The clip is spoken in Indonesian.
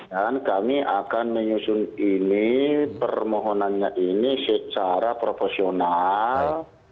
dan kami akan menyusun ini permohonannya ini secara profesional